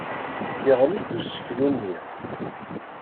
Yeɣli-d useklu-nni.